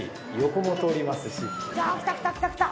ヒャー来た来た来た来た！